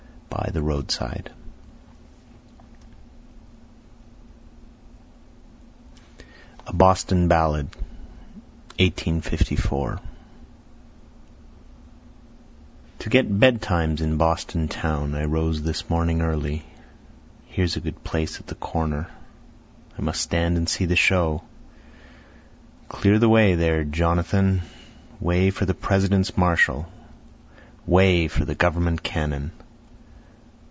BY THE ROADSIDE A Boston Ballad To get betimes in Boston town I rose this morning early, Here's a good place at the corner, I must stand and see the show. Clear the way there Jonathan! Way for the President's marshal way for the government cannon!